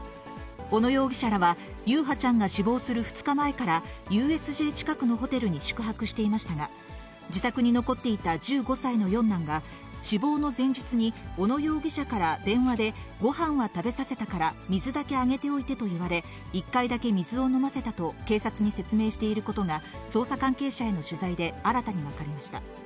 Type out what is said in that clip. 小野容疑者らは、優陽ちゃんが死亡する２日前から、ＵＳＪ近くのホテルに宿泊していましたが、自宅に残っていた１５歳の四男が、死亡の前日に、小野容疑者から電話で、ごはんは食べさせたから水だけあげておいてと言われ、１回だけ水を飲ませたと、警察に説明していることが、捜査関係者への取材で新たに分かりました。